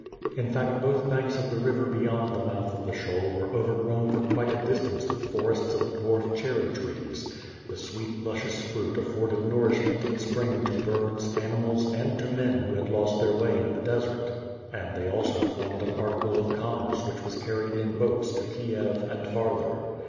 In fact both banks of the river beyond the mouth of the Pshol were overgrown for quite a distance with forests of dwarf cherry trees. The sweet, luscious fruit afforded nour ishment in spring to birds, animals, and to men who had lost their way in the desert; and they also formed an article of commerce which was carried in boats to Kiev and farther.